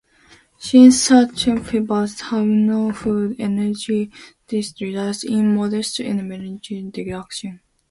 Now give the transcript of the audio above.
Since certain fibers have no food energy, this results in a modest energy reduction.